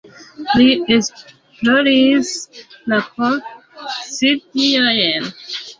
Li esploris la kokcidiojn.